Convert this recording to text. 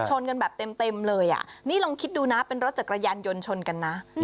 ชนกันแบบเต็มเลยอ่ะนี่ลองคิดดูนะเป็นรถจักรยานยนต์ชนกันนะ